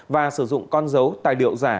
và sử dụng con dấu tài liệu giả